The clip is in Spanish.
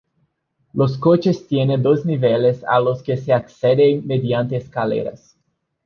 Los coches tiene dos niveles a los que se accede mediante escaleras.